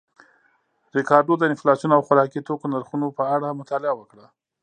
ریکارډو د انفلاسیون او خوراکي توکو نرخونو په اړه مطالعه وکړه